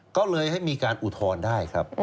ก็เลยให้มีการอุทธรณ์ได้ครับ